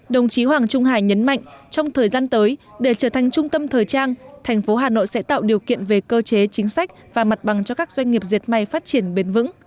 đồng chí hoàng trung hải nhấn mạnh trong thời gian tới để trở thành trung tâm thời trang thành phố hà nội sẽ tạo điều kiện về cơ chế chính sách và mặt bằng cho các doanh nghiệp diệt may phát triển bền vững